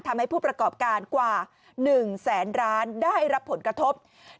ทำให้ผู้ประกอบการกว่า๑แสนร้านได้รับผลกระทบ